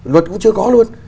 luật cũng chưa có luôn